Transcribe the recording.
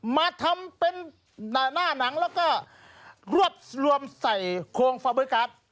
มาทำเป็นหน้าหนังแล้วก็รวบรวมใส่โครงฟาบริการ